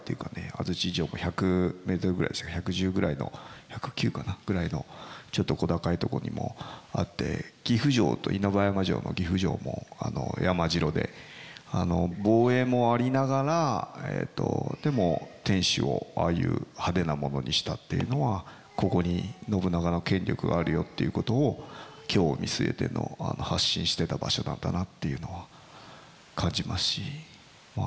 安土城も１００ｍぐらい１１０ぐらいの１０９かな？ぐらいのちょっと小高いとこにもあって岐阜城と稲葉山城の岐阜城も山城で防衛もありながらでも天主をああいう派手なものにしたっていうのはここに信長の権力があるよっていうことを京を見据えての発信してた場所なんだなっていうのは感じますし。